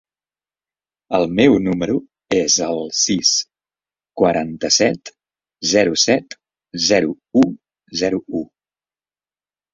El meu número es el sis, quaranta-set, zero, set, zero, u, zero, u.